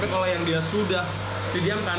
kalau yang dia sudah didiamkan